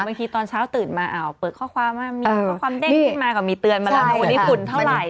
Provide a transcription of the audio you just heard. เมื่อกี้ตอนเช้าตื่นมาเปิดข้อความว่ามีข้อความเด้งขึ้นมาก็มีเตือนมาลำผลที่ฝุ่นเท่าไหร่